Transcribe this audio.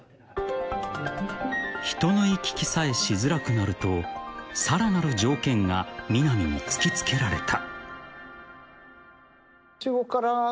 ［人の行き来さえしづらくなるとさらなる条件が南に突き付けられた］